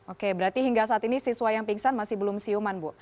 oke berarti hingga saat ini siswa yang pingsan masih belum siuman bu